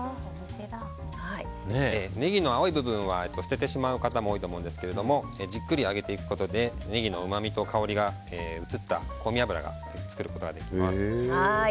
ネギの青い部分は捨ててしまう方も多いと思うんですけどじっくり揚げていくことでネギのうまみと香りが移った香味油を作ることができます。